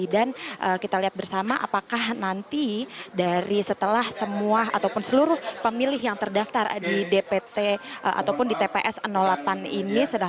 kita lihat bersama apakah nanti dari setelah semua ataupun seluruh pemilih yang terdaftar di dpt ataupun di tps delapan ini